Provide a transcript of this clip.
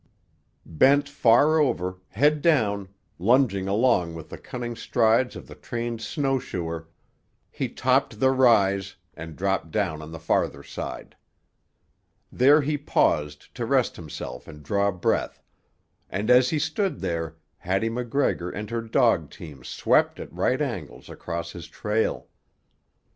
Bent far over, head down, lunging along with the cunning strides of the trained snowshoer, he topped the rise and dropped down on the farther side. There he paused to rest himself and draw breath, and as he stood there Hattie MacGregor and her dog team swept at right angles across his trail.